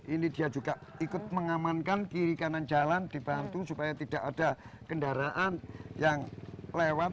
ini dia juga ikut mengamankan kiri kanan jalan dibantu supaya tidak ada kendaraan yang lewat